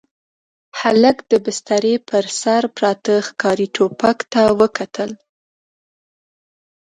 هلک د بسترې پر سر پراته ښکاري ټوپک ته وکتل.